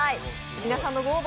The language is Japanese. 皆さんのご応募